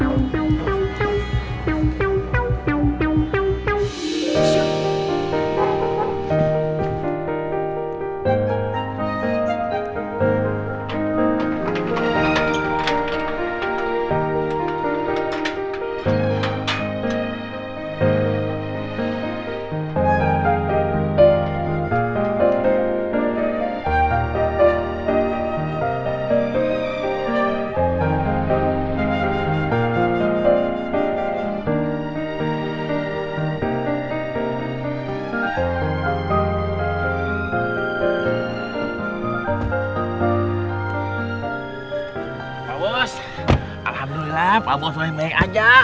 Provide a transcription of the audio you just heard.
alhamdulillah pak bos boleh main aja